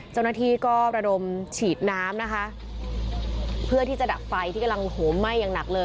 เจ้าหน้าที่ก็ระดมฉีดน้ำนะคะเพื่อที่จะดับไฟที่กำลังโหมไหม้อย่างหนักเลย